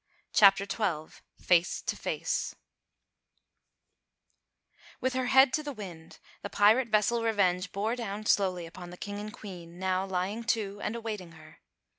CHAPTER XII FACE TO FACE With her head to the wind the pirate vessel Revenge bore down slowly upon the King and Queen, now lying to and awaiting her.